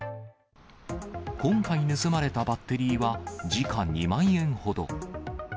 今回盗まれたバッテリーは、時価２万円ほど。